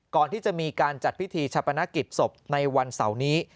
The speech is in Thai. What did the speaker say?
ก่อนที่จะมีการจัดพิธีชะปนกิจศพในวันเสาร์นี้